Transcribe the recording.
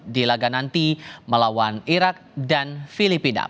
di laga nanti melawan irak dan filipina